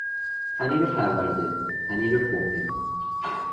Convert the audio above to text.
پنیر پرورده، پنیر کهنه